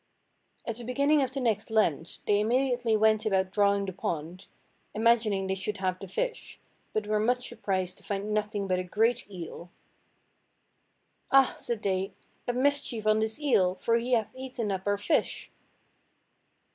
At the beginning of the next Lent they immediately went about drawing the pond, imagining they should have the fish, but were much surprised to find nothing but a great eel. "Ah!" said they, "a mischief on this eel, for he hath eaten up our fish."